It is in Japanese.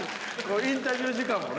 インタビュー時間もね。